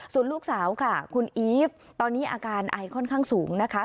ส่วนลูกสาวค่ะคุณอีฟตอนนี้อาการไอค่อนข้างสูงนะคะ